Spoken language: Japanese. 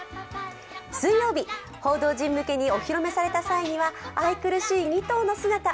水曜日、報道陣向けにお披露目された際には愛くるしい２頭の姿。